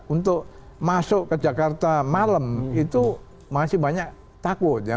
untuk masuk ke jakarta malam itu masih banyak takut ya